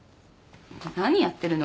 何やってるの？